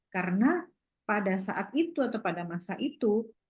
karena pada saat itu atau pada masa itu